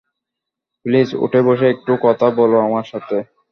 Please, উঠে বসে একটু কথা বলো আমার সাথে!